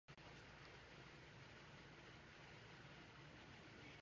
For example, Duncan Makenzie is dark brown.